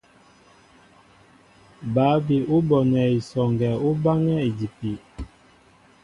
Bǎ bi ú bonɛ esɔŋgɛ ú báŋɛ́ idipi.